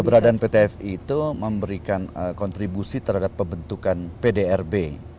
keberadaan pt fi itu memberikan kontribusi terhadap pembentukan pdrb